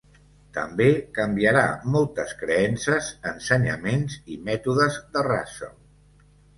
També canviarà moltes creences, ensenyaments i mètodes de Russell.